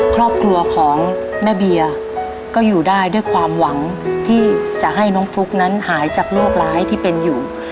ครอบครัวของแม่เบียร์ก็อยู่ได้ด้วยความหวังที่จะให้น้องฟลุ๊กนั้นหายจากโรคร้ายที่เป็นอยู่